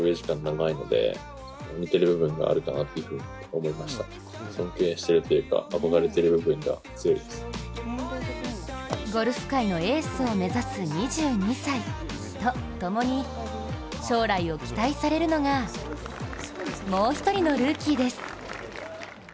お手本にするのは、ゴルファーではなくゴルフ界のエースを目指す２２歳とともに将来を期待されるのがもう一人のルーキーです。